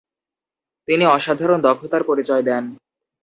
তিনি অসাধারণ দক্ষতার পরিচয় দেন।